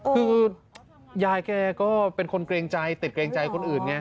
คือยายแกก็เป็นคนเกรงใจติดเกรงใจคนอื่นไง